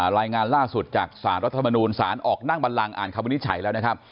รายงานล่าสุดจากสารรัฐมนูลสารออกนั่งบันลังอ่านคำวินิจฉัยแล้วนะครับ